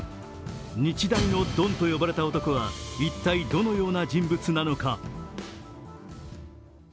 日大のドンと呼ばれていた男は一体どのような人物なのか。